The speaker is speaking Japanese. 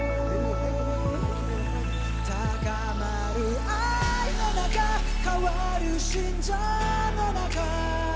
「高まる愛の中変わる心情の中」